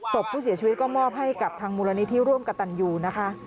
ศพผู้เสียชีวิตก็มอบให้กับทางมูลนิธิร่วมกับตันยูนะคะ